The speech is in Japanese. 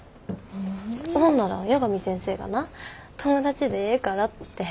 ほんなら八神先生がな友達でええからって。